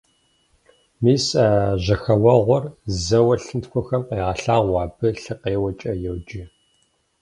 Мис а жьэхэуэгъуэр зэуэ лъынтхуэхэм къагъэлъагъуэ, абы лъыкъеуэкӀэ йоджэ.